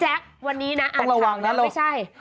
แจ๊กวันนี้นะอ่านคำนั้นไม่ใช่